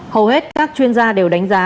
hầu hết các chuyên gia đều đánh giá